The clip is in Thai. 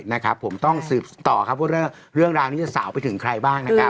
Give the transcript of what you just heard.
นะครับผมต้องสืบต่อครับว่าเรื่องราวนี้จะสาวไปถึงใครบ้างนะครับ